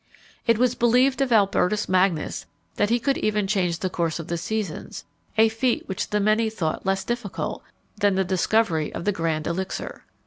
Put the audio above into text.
It was believed of Albertus Magnus that he could even change the course of the seasons, a feat which the many thought less difficult than the discovery of the grand elixir.